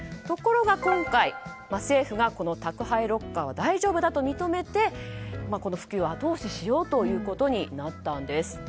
ところが今回、政府が宅配ロッカーは大丈夫だと認めて普及を後押ししようということになったんです。